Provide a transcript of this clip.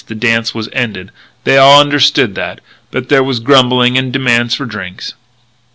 The dance was ended; they all understood that; but there was grumbling and demands for drinks.